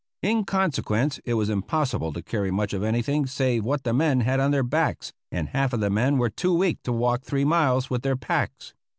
In consequence it was impossible to carry much of anything save what the men had on their backs, and half of the men were too weak to walk three miles with their packs.